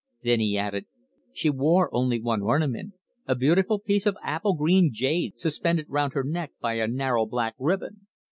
Then he added: "She wore only one ornament, a beautiful piece of apple green jade suspended round her neck by a narrow black ribbon.